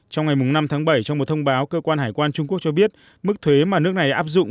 trong ngày năm tháng bảy trong một thông báo cơ quan hải quan trung quốc cho biết mức thuế mà nước này áp dụng